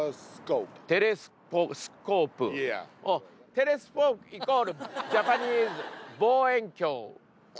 テレスポークイコールジャパニーズ望遠鏡。